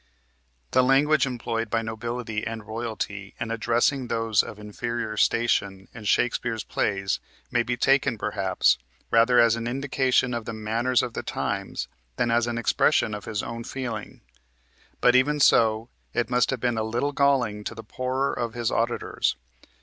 The language employed by nobility and royalty in addressing those of inferior station in Shakespeare's plays may be taken, perhaps, rather as an indication of the manners of the times than as an expression of his own feeling, but even so it must have been a little galling to the poorer of his auditors.